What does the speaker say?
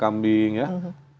kambingnya diparkir dulu ya